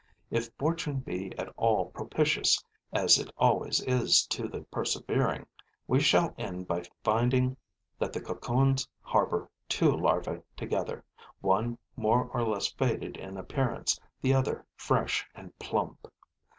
If fortune be at all propitious, as it always is to the persevering, we shall end by finding that the cocoons harbor two larvae together, one more or less faded in appearance, the other fresh and plump.